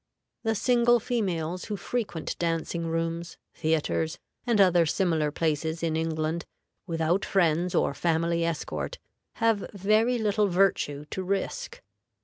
The single females who frequent dancing rooms, theatres, and other similar places in England, without friends or family escort, have very little virtue to risk.